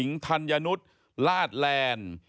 ธัญนุษย์ลาดแลนด์